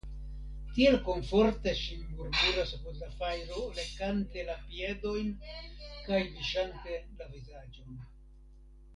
Tiel komforte ŝi murmuras apud la fajro lekante la piedojn kaj viŝante la vizaĝon.